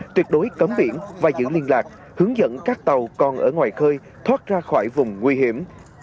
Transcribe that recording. tuyệt đối cấm biển và giữ liên lạc hướng dẫn các tàu còn ở ngoài khơi thoát ra khỏi vùng nguy hiểm